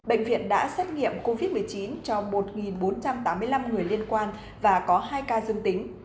bệnh viện đã xét nghiệm covid một mươi chín cho một bốn trăm tám mươi năm người liên quan và có hai ca dương tính